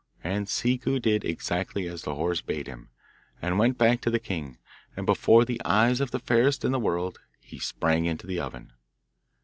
And Ciccu did exactly as the horse bade him, and went back to the king, and before the eyes of the fairest in the world he sprang into the oven.